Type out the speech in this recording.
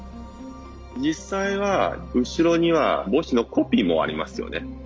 実際は後ろには墓誌のコピーもありますよね。